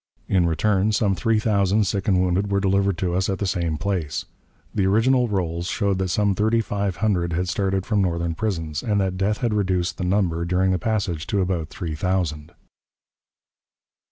In return, some three thousand sick and wounded were delivered to us at the same place. The original rolls showed that some thirty five hundred had started from Northern prisons, and that death had reduced the number during the passage to about three thousand.